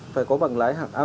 phải có bằng lái hạng a